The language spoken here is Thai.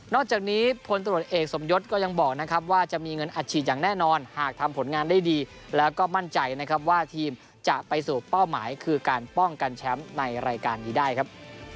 จากนี้พลตรวจเอกสมยศก็ยังบอกนะครับว่าจะมีเงินอัดฉีดอย่างแน่นอนหากทำผลงานได้ดีแล้วก็มั่นใจนะครับว่าทีมจะไปสู่เป้าหมายคือการป้องกันแชมป์ในรายการนี้ได้ครับ